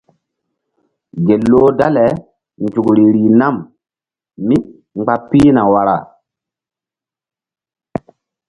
Gel loh dale nzukri rih nam mí mgba pihnari wara.